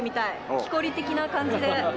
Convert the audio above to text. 木こり的な感じで。